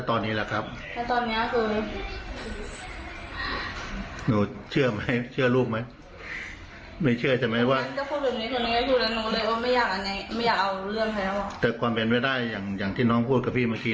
แต่ความเป็นไปได้อย่างที่น้องพูดกับพี่เมื่อกี้